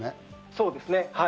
そうです。